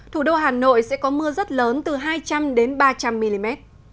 thủ đô hà nội sẽ có mưa rất lớn từ hai trăm linh đến ba trăm linh mm